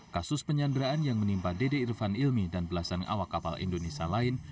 kasus penyanderaan yang menimpa dede irfan ilmi dan belasan awak kapal indonesia lain